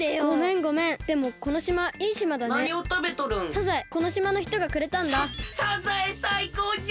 ササザエさいこうじゃ！